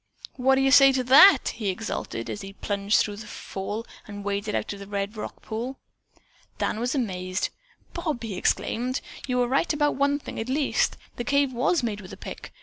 "What do you say to that?" he exulted, as he plunged through the fall and waded out of the red rock pool. Dan was amazed. "Bob," he exclaimed, "you were right about one thing at least. The cave was made with a pick.